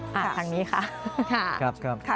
ทางนี้ค่ะค่ะ